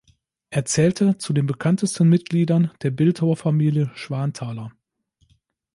Er zählte zu den bekanntesten Mitgliedern der Bildhauerfamilie Schwanthaler.